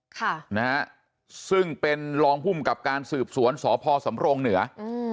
ค่ะนะฮะซึ่งเป็นรองภูมิกับการสืบสวนสพสำรงเหนืออืม